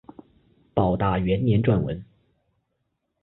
保大元年撰文。